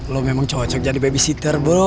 lo memang cocok jadi babysitter bro